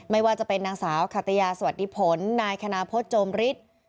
ไม่ว่าจะเป็นนางสาวขตยาสวัสดีผลนายคณพฤษโจมฤทธิ์